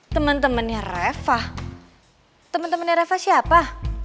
temen temennya reva temen temennya reva siapa